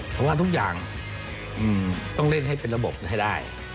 เพราะว่าทุกอย่างต้องเล่นให้เป็นระบบให้ได้